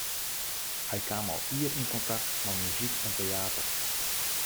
Hy kaam al ier yn kontakt mei muzyk en teäter.